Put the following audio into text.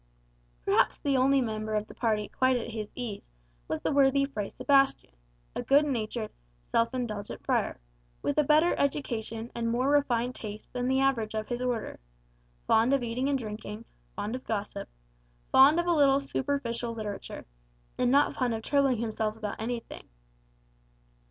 Perhaps the only member of the party quite at his ease was the worthy Fray Sebastian, a good natured, self indulgent friar, with a better education and more refined tastes than the average of his order; fond of eating and drinking, fond of gossip, fond of a little superficial literature, and not fond of troubling himself about anything.